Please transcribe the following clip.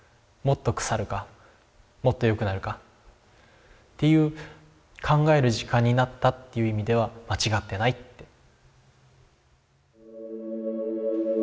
もっと腐るかもっとよくなるかっていう考える時間になったっていう意味では間違ってないって。